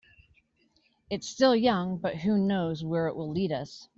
It's still young, but who knows where it will lead us.